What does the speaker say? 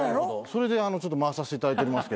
それで回させていただいておりますけどね。